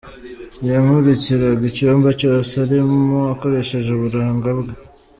Yamurikiraga icyumba cyose arimo akoresheje uburanga bwe.